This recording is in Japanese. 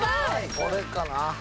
これかな。